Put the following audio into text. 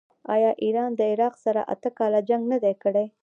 آیا ایران له عراق سره اته کاله جنګ نه دی کړی؟